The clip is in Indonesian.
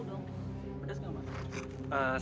pedas gak mas